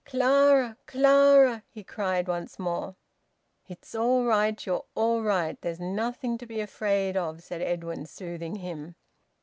"Clara! Clara!" he cried once more. "It's all right. You're all right. There's nothing to be afraid of," said Edwin, soothing him.